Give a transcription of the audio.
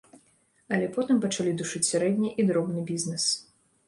Але потым пачалі душыць сярэдні і дробны бізнес.